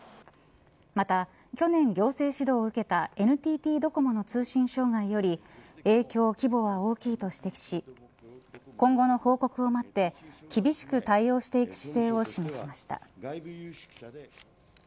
また、去年行政指導を受けたＮＴＴドコモの通信障害より影響、規模は大きいと指摘し今後の報告を待って厳しく対応していく姿勢を示しました。